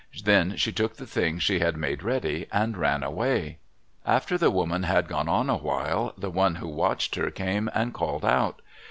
Then she took the things she had made ready and ran away. After the woman had gone on awhile, the one who watched her came and called out.